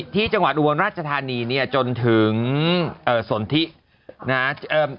ที่จังหวัดอุบันราชธานีจนถึงส่วนที่